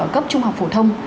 cấp trung học phổ thông